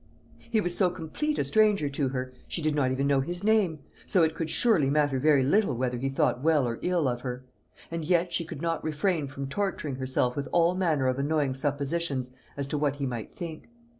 He was so complete a stranger to her she did not even know his name so it could surely matter very little whether he thought well or ill of her. And yet she could not refrain from torturing herself with all manner of annoying suppositions as to what he might think.